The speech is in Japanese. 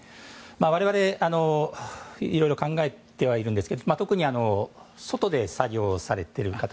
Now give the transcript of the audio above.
我々、いろいろ考えてはいますが特に外で作業をされている方。